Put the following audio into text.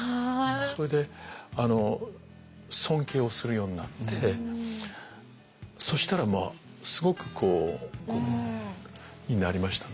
それで尊敬をするようになってそしたらすごくこうになりましたね。